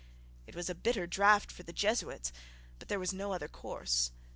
It was a bitter draught for the Jesuits; but there was no other course.